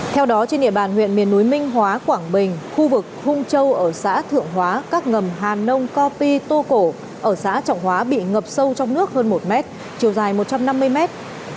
theo đó trên địa bàn huyện miền núi minh hóa quảng bình khu vực hung châu ở xã thượng hóa các ngầm hà nông co pi tô cổ ở xã trọng hóa bị ngập sâu trong nước hơn một mét chiều dài một trăm năm mươi mét